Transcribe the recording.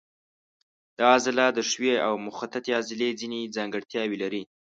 دا عضله د ښویې او مخططې عضلې ځینې ځانګړتیاوې لري.